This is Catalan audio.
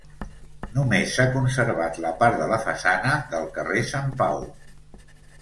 Només s'ha conservat la part de la façana del carrer Sant Pau.